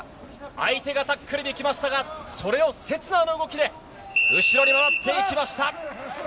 相手がタックルにきましたが、それを刹那の動きで後ろに回っていきました。